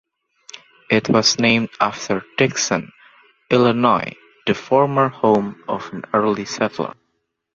It was named after Dixon, Illinois, the former home of an early settler.